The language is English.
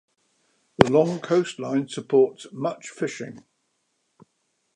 The long coastline supports much fishing.